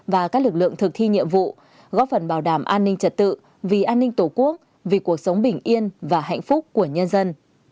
và các lực lượng thực thi nhiệm vụ góp phần bảo đảm an ninh trật tự vì an ninh tổ quốc vì cuộc sống bình yên và hạnh phúc của nhân dân